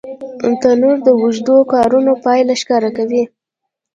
تنور د اوږدو کارونو پایله ښکاره کوي